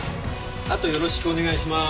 あとよろしくお願いします。